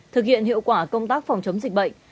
thực hiện hiệu quả công tác phòng chống dịch bệnh